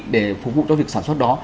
để phục vụ cho việc sản xuất đó